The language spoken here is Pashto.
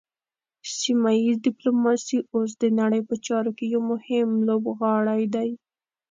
سیمه ایز ډیپلوماسي اوس د نړۍ په چارو کې یو مهم لوبغاړی دی